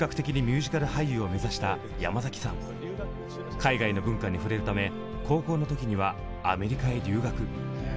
海外の文化に触れるため高校の時にはアメリカへ留学。